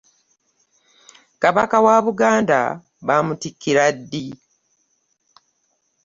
Kabaka wa Buganda baamutikira ddi?